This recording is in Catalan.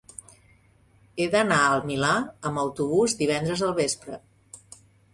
He d'anar al Milà amb autobús divendres al vespre.